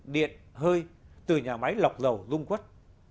điện hơi từ nhà máy lọc dầu dung quất